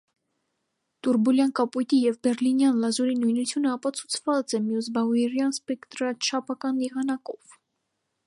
Տուրբուլյան կապույտի և բեռլինյան լազուրի նույնությունը ապացուցված է մյոսբաուերյան սպեկտրաչափական եղանակով։